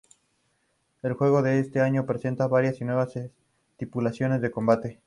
El juego de este año presenta varias y nuevas estipulaciones de combate.